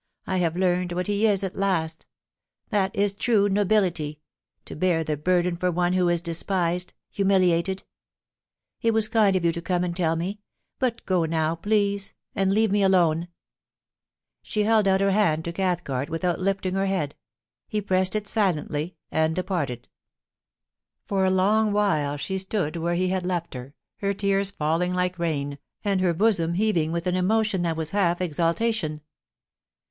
I have learned what he is at last That is tme nobility — to bear the burden for one who is despised humiliated. It was kind of you to come and tell me • but go now, please, and leave me alone.' BEFORE THE OPENING OF PARLIAMENT, 381 She held out her hand to Cathcart without lifting her head. He pressed it silently, and departed For a long while she stood where he had left her, her tears falling like rain, and her bosom heaving with an emo tion that was half exultation.